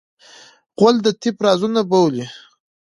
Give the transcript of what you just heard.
غول د طب رازونه بولي.